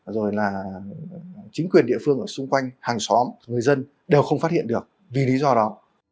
rồi là chính quyền địa phương ở xung quanh hàng xóm người dân đều không phát hiện được vì lý do đó